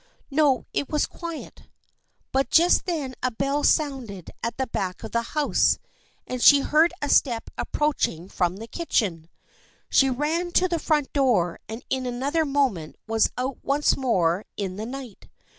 No, it was quiet. But just then a bell sounded at the back of the house and she heard a step approach ing from the kitchen. She ran to the front door and in another moment was out once more in the night.